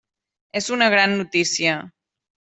És una gran notícia.